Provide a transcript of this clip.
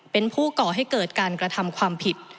เป็นผู้ก่อให้เกิดการกระทำความผิด